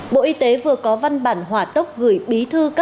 bộ y tế vừa có văn bản hỏa tốc gửi bí thư các tỉnh ủy thanh ủy trong cả nước